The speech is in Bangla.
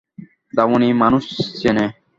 দামিনী মানুষ চেনে।